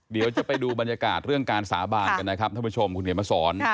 เดี๋ยวจะไปดูบรรยากาศเรื่องการสาบานกันนะครับท่านผู้ชมคุณเขียนมาสอน